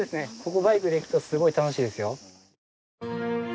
ここをバイクで行くとすごく楽しいですよ。